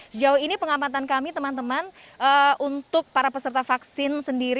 sejauh ini pengamatan kami teman teman